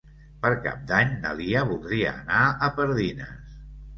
Per Cap d'Any na Lia voldria anar a Pardines.